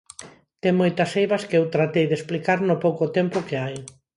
Ten moitas eivas que eu tratei de explicar no pouco tempo que hai.